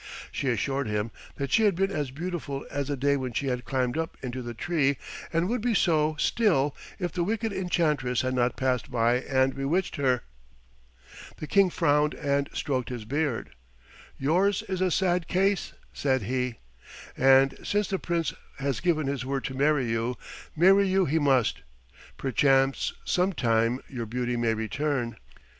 She assured him that she had been as beautiful as the day when she had climbed up into the tree and would be so still if the wicked enchantress had not passed by and bewitched her. The King frowned and stroked his beard. "Yours is a sad case," said he, "and since the Prince has given his word to marry you, marry you he must. Perchance sometime your beauty may return."